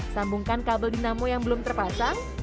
sambungkan kabel dinamo yang belum terpasang